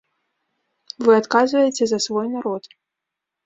Вы адказваеце за свой народ.